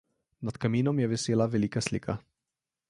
Nad kaminom je visela velika slika.